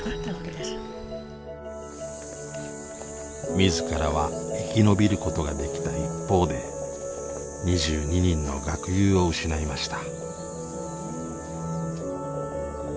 自らは生き延びることができた一方で２２人の学友を失いました。